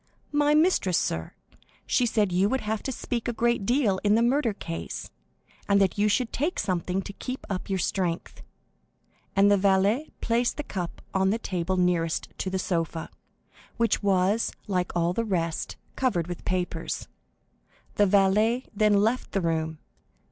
"My mistress, sir. She said you would have to speak a great deal in the murder case, and that you should take something to keep up your strength;" and the valet placed the cup on the table nearest to the sofa, which was, like all the rest, covered with papers. The valet then left the room.